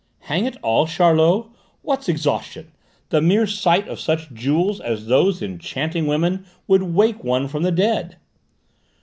"Hang it all, Charlot! What's exhaustion? The mere sight of such jewels as those enchanting women would wake one from the dead!"